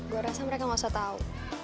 gue rasa mereka gak usah tahu